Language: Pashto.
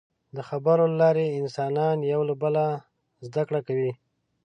د خبرو له لارې انسانان یو له بله زدهکړه کوي.